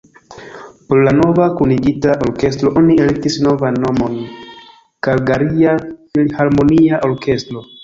Por la nova kunigita orkestro oni elektis novan nomon: Kalgaria Filharmonia Orkestro.